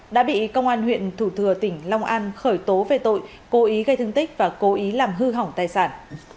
đã bị công an huyện thủ thừa tỉnh long an khởi tố về tội cố ý gây thương tích và cố ý làm hư hỏng tài sản